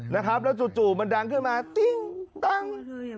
นะครับแล้วจู่มันดังขึ้นมาติ้งตัง